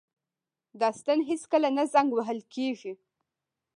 دا ستن هیڅکله نه زنګ وهل کیږي.